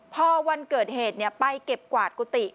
พอวันเกิดเหตุไปเก็บกวาดกุฏิ